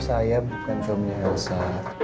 saya bukan suaminya elsa